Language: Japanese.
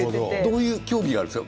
どういう競技があるんですか？